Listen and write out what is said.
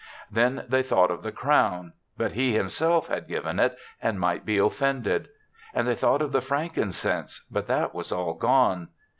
'* Then they thought of the crown; but he himself had given it and might be offended. And they thought of the frankincense; but that was all gone.